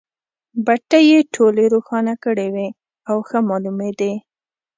بټۍ یې ټولې روښانه کړې وې او ښه مالومېدې.